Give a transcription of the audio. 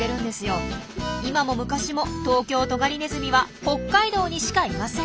今も昔もトウキョウトガリネズミは北海道にしかいません。